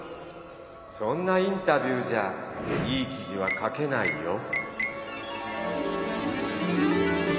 そんなインタビューじゃいい記事は書けないよ。